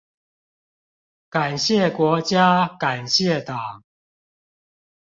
感謝國家感謝黨